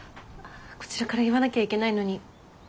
こちらから言わなきゃいけないのに。